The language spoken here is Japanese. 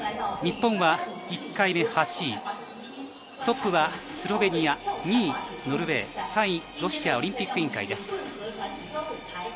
日本は１回目８位、トップはスロベニア、２位・ノルウェー、３位・ロシアオリンピック委員会です。